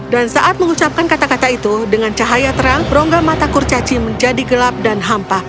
saat mengucapkan kata kata itu dengan cahaya terang rongga mata kurcaci menjadi gelap dan hampa